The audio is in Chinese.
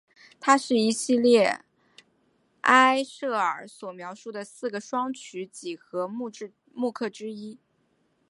它是一系列埃舍尔所描绘的四个双曲几何木刻之一。